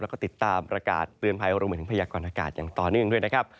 และก็ติดตามรากาศเตือนไพโอโรเหมือนพยากรณ์อากาศอย่างต่อเนื่องด้วยนะครับ